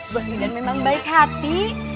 bos bidan memang baik hati